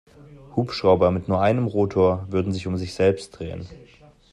Hubschrauber mit nur einem Rotor würden sich um sich selbst drehen.